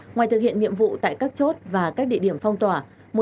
ngoài thực hiện nhiệm vụ tại các chốt và các địa điểm phong tỏa